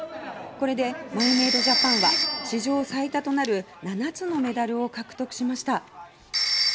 これでマーメイドジャパンは史上最多となる７つのメダルを獲得しました。